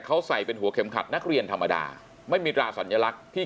เขาใส่เป็นหัวเข็มขัดนักเรียนธรรมดาไม่มีตราสัญลักษณ์ที่